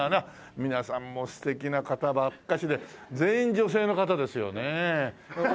皆さんも素敵な方ばっかしで全員女性の方ですよね。